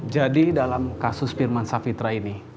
jadi dalam kasus pirman savitra ini